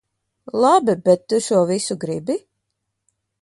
Labi, bet tu šo visu gribi?